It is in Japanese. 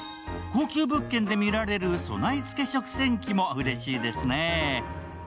高級物件で見られる備え付け食洗機もうれしいですね。